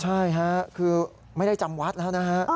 ใช่ยี่ครับคือไม่ได้จำวัดแล้วนะฮะ